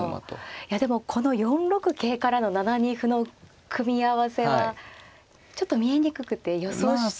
いやでもこの４六桂からの７二歩の組み合わせはちょっと見えにくくて予想して。